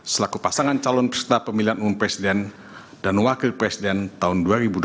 selaku pasangan calon presiden dan wakil presiden tahun dua ribu dua puluh empat